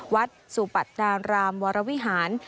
วัดสุปัตตารามวรวิหาร